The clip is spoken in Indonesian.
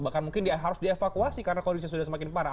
bahkan mungkin dia harus dievakuasi karena kondisi sudah semakin parah